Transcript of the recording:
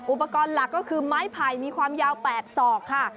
อุปกรณ์หลักก็คือไม้ไผ่มีความยาว๘ศอกค่ะ